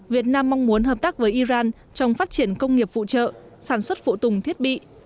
việt nam mong muốn hợp tác với iran trong phát triển công nghiệp phụ trợ sản xuất phụ tùng thiết bị